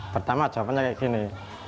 pertama jawabannya kayak gini